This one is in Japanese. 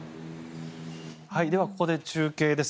ここで中継です。